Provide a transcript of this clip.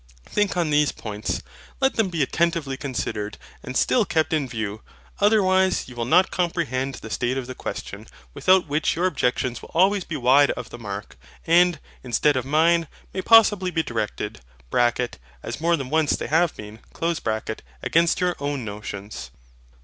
Think on these points; let them be attentively considered and still kept in view. Otherwise you will not comprehend the state of the question; without which your objections will always be wide of the mark, and, instead of mine, may possibly be directed (as more than once they have been) against your own notions.